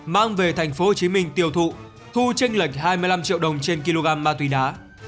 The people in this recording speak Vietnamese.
mang về tp hcm tiêu thụ thu tranh lệch hai mươi năm triệu đồng trên kg ma túy đá